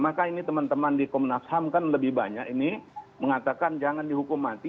maka ini teman teman di komnas ham kan lebih banyak ini mengatakan jangan dihukum mati